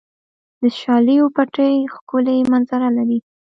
د شالیو پټي ښکلې منظره لري.